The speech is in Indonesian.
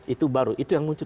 itu baru itu yang muncul